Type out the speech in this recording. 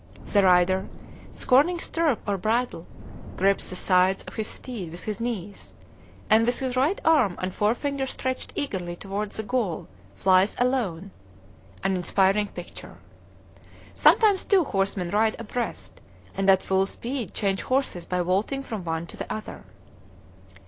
The rider, scorning stirrup or bridle, grips the sides of his steed with his knees, and, with his right arm and forefinger stretched eagerly toward the goal, flies alone, an inspiring picture. Sometimes two horsemen ride abreast, and at full speed change horses by vaulting from one to the other.